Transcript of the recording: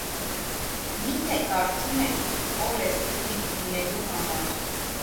- Մի՞թե կարծում եք, օր ես քվիթ լինելու համար…